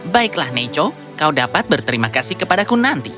baiklah neco kau dapat berterima kasih kepadaku nanti